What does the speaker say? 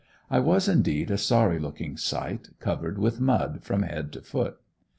I was indeed a sorry looking sight, covered with mud from head to foot.